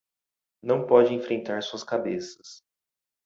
Não pode enfrentar suas cabeças